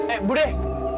eh bu deh